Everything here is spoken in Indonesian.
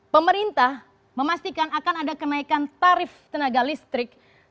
pemerintah memastikan akan ada kenaikan tarif tenaga listrik